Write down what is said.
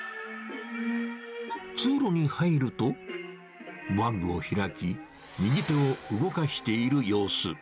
通路に入ると、バッグを開き、右手を動かしている様子。